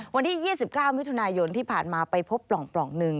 วันที่๒๙มิถุนายนที่ผ่านมาไปพบปล่องหนึ่ง